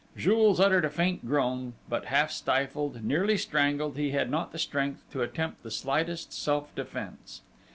Jules uttered a faint groan; but, half stifled, nearly strangled, he had not the strength to attempt the slightest self defence.